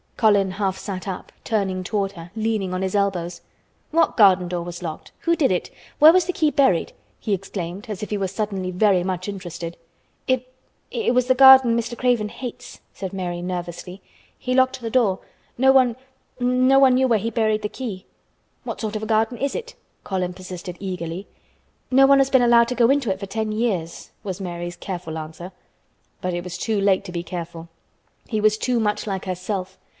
Colin half sat up, turning toward her, leaning on his elbows. "What garden door was locked? Who did it? Where was the key buried?" he exclaimed as if he were suddenly very much interested. "It—it was the garden Mr. Craven hates," said Mary nervously. "He locked the door. No one—no one knew where he buried the key." "What sort of a garden is it?" Colin persisted eagerly. "No one has been allowed to go into it for ten years," was Mary's careful answer. But it was too late to be careful. He was too much like herself.